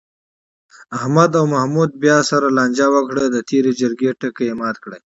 احمد او محمود بیا سره لانجه وکړه، د تېرې جرگې ټکی یې مات کړ.